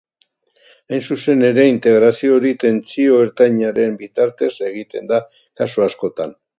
Hain zuzen ere, integrazio hori tentsio ertainaren bitartez egiten da kasu askotan.